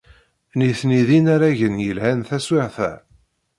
Nitni d inaragen yelhan taswiɛt-a.